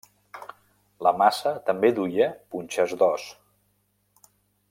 La maça també duia punxes d'os.